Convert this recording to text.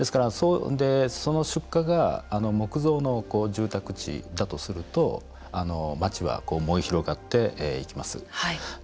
その出火が木造の住宅地だとすると街は燃え広がっていきます。